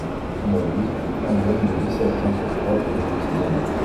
Aujourd’hui, un jeune de dix-sept ans sur trois fume quotidiennement.